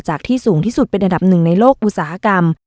ที่สูงที่สุดเป็นอันดับหนึ่งในโลกอุตสาหกรรม